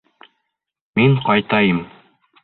Мин ҡайтайым.